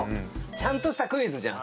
ちゃんとしたクイズじゃん。